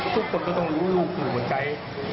ทุกคนก็ต้องรู้ลูกอยู่หัวใจ